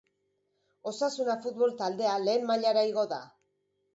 Osasuna futbol taldea lehen mailara igo da.